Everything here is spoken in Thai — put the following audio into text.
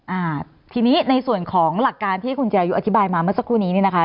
อ่าทีนี้ในส่วนของหลักการที่คุณจิรายุอธิบายมาเมื่อสักครู่นี้เนี่ยนะคะ